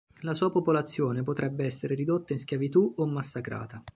La sua popolazione potrebbe essere ridotta in schiavitù o massacrata.